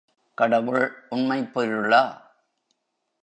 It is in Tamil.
கடவுள் உண்மைப் பொருளா?